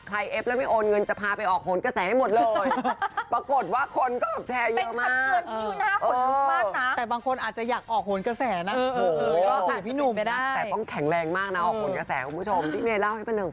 เอฟแล้วไม่โอนเงินจะพาไปออกโหนกระแสให้หมดเลย